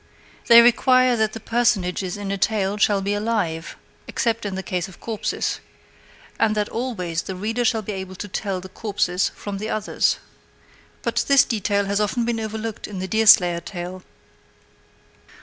They require that the personages in a tale shall be alive, except in the case of corpses, and that always the reader shall be able to tell the corpses from the others. But this detail has often been overlooked in the Deerslayer tale.